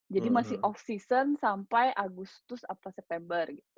jadi masih off season sampai agustus atau september gitu